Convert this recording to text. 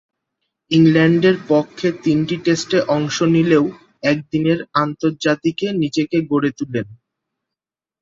ইংল্যান্ডের পক্ষে তিনটি টেস্টে অংশ নিলেও একদিনের আন্তর্জাতিকে নিজেকে গড়ে তুলেন।